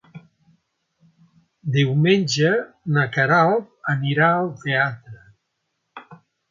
Diumenge na Queralt anirà al teatre.